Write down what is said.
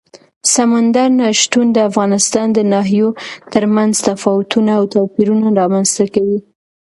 سمندر نه شتون د افغانستان د ناحیو ترمنځ تفاوتونه او توپیرونه رامنځ ته کوي.